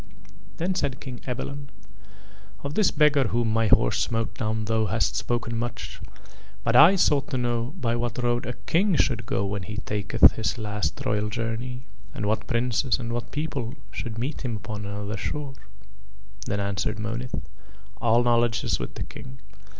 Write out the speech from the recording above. Then said King Ebalon: "Of this beggar whom my horse smote down thou hast spoken much, but I sought to know by what road a King should go when he taketh his last royal journey, and what princes and what people should meet him upon another shore." Then answered Monith: "All knowledge is with the King.